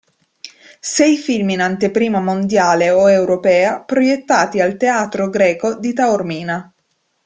Sei film in anteprima mondiale o europea proiettati al Teatro Greco di Taormina.